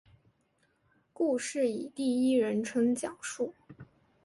故事以第一人称讲述。